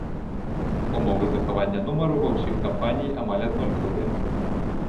Умовы захавання нумару ва ўсіх кампаній амаль аднолькавыя.